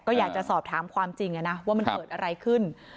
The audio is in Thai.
ก็อยากจะสอบถามความจริงนะว่ามันเกิดอะไรขึ้น